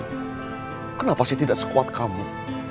kenapa sih tidak sekuat kamu